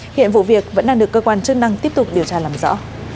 hiện vụ việc vẫn đang được cơ quan chức năng tiếp tục điều tra làm rõ